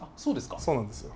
そうですか。